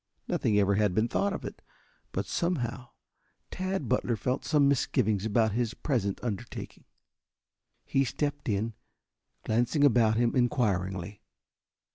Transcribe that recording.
Nothing ever had been thought of it, but somehow Tad Butler felt some misgivings about his present undertaking. He stepped in, glancing about him inquiringly.